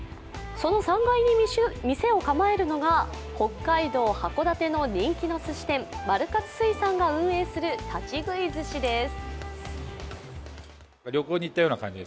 その３階に店を構えるのが北海道・函館の人気のすし店、まるかつ水産が運営する立ち食いずしです。